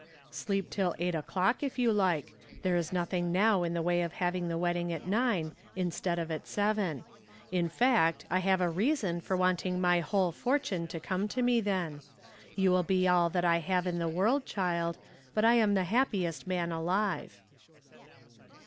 "Sleep till eight o'clock if you like. There is nothing now in the way of having the wedding at nine, instead of at seven. In fact, I have a reason for wanting my whole fortune to come to me then. You will be all that I have in the world, child, but I am the happiest man alive."